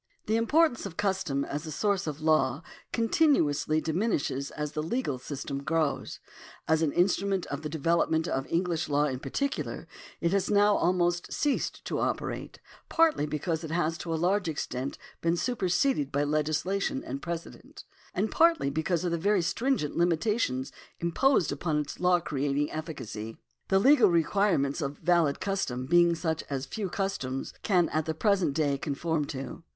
The importance of custom as a soiirce of law continuously diminishes as the legal system grows. As an instrument of the development of English law in particular, it has now almost ceased to operate, partly because it has to a large ex tent been superseded by legislation and precedent, and partly because of the very stringent limitations imposed upon its law creating efficacy, the legal requirements of a valid custom being such as few customs can at the present day conform to.